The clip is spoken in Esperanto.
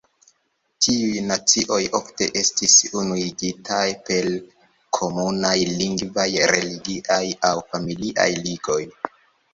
Tiuj nacioj ofte estis unuigitaj per komunaj lingvaj, religiaj aŭ familiaj ligoj.